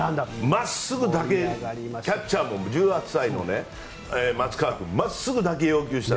真っすぐだけキャッチャーも１８歳の松川君、真っすぐだけ要求した。